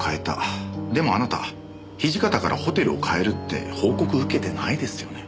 でもあなた土方からホテルを変えるって報告受けてないですよね？